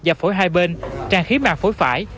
giả phổi hai bên trang khí mạng phối phải